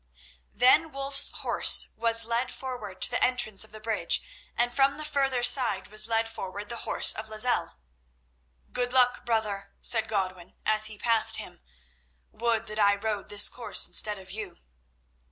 Then Wulf's horse was led forward to the entrance of the bridge, and from the further side was led forward the horse of Lozelle. "Good luck, brother," said Godwin, as he passed him. "Would that I rode this course instead of you."